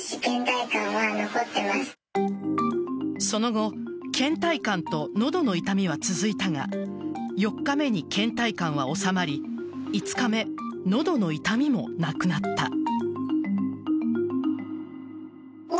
その後倦怠感と喉の痛みは続いたが４日目に倦怠感は治まり５日目、喉の痛みもなくなった。